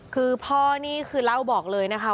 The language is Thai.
คือพ่อนี่คือเล่าบอกเลยนะคะ